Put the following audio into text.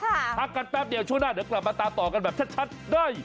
พักกันแป๊บเดียวช่วงหน้าเดี๋ยวกลับมาตามต่อกันแบบชัดได้